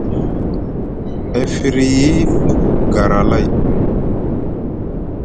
E firyi ɓuk gara lay.